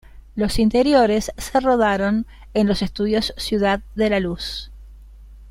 Los interiores se rodaron en los estudios Ciudad de la Luz.